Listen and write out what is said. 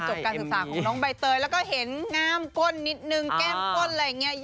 จบการศึกษาของน้องบ๊ายเตยแล้วก็เห็นง่าโก่นนิดนึงแก้มก้น